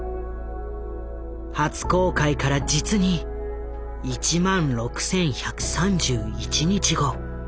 初公開から実に１万６，１３１日後。